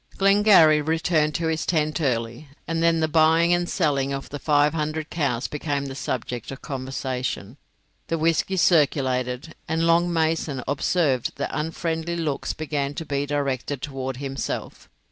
Glengarry returned to his tent early, and then the buying and selling of the five hundred cows became the subject of conversation; the whisky circulated, and Long Mason observed that unfriendly looks began to be directed towards himself.